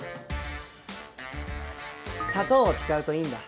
砂糖を使うといいんだ。